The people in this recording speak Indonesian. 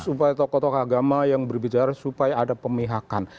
supaya tokoh tokoh agama yang berbicara supaya ada pemihakan